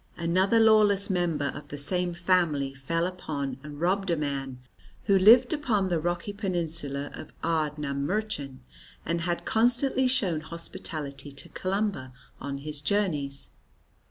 Another lawless member of the same family fell upon and robbed a man who lived upon the rocky peninsula of Ardnamurchan, and had constantly shown hospitality to Columba on his journeys.